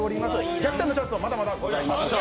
逆転のチャンスはまだまだございます。